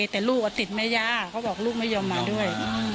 แต่ลูกติดแม่ย่าเขาบอกลูกไม่ยอมมาด้วย